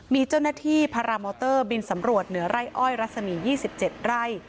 มีเจ้าหน้าที่พารามอเตอร์บินสำรวจเหนือไร่อ้อยรัศมี๒๗ไร่